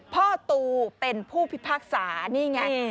พ่อตูเป็นผู้พิพากษานี่ไง